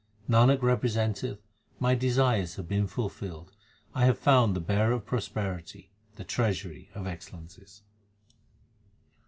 Nanak representeth, my desires have been fulfilled. I have found the Bearer of prosperity, the Treasury of excel lences.